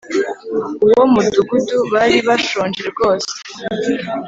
uwo mudugudu bari bashonje rwose